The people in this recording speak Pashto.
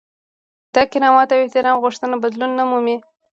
د کرامت او احترام غوښتنه بدلون نه مومي.